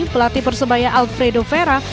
pelatih persebaya alfredo vera